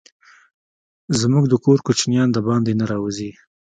زموږ د کور کوچينان دباندي نه راوزي.